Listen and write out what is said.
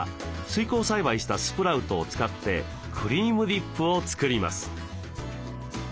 水耕栽培したスプラウトを使ってクリームディップを作ります。